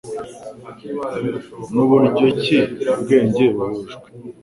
nuburyo ki ubwenge buhujwe